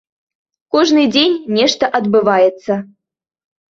Кожны дзень нешта адбываецца.